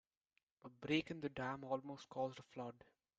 A break in the dam almost caused a flood.